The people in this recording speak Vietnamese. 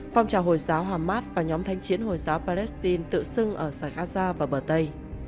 phong trào hồi giáo hamad và nhóm thanh chiến hồi giáo palestine tự xưng ở saqqaza và bờ tây